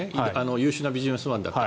優秀なビジネスマンだった。